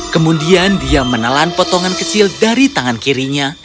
kemudian dia menelan potongan kecil dari tangan kirinya